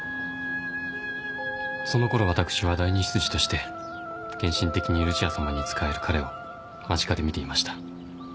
そのころ私は第２執事として献身的にルチアさまに仕える彼を間近で見ていました。